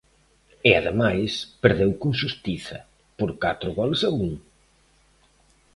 E ademais, perdeu con xustiza, por catro goles a un.